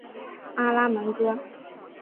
阿拉门戈。